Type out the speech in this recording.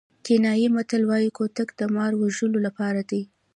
کینیايي متل وایي کوتک د مار وژلو لپاره دی.